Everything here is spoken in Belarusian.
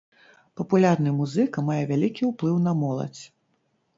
Папулярны музыка мае вялікі ўплыў на моладзь.